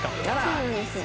そうなんですよ。